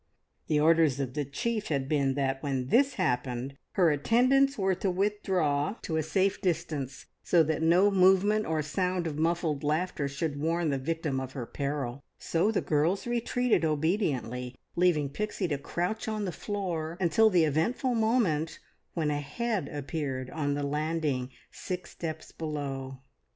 The orders of the chief had been that when this happened her attendants were to withdraw to a safe distance, so that no movement nor sound of muffled laughter should warn the victim of her peril; so the girls retreated obediently, leaving Pixie to crouch on the floor until the eventful moment when a head appeared on the landing six steps below.